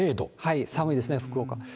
寒いですね、福岡。